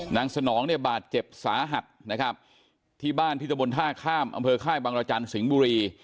นางสนองบาดเจ็บสาหัสที่บ้านพิธบนท่าข้ามอำเภอไข้บางรจรสิงห์บุรี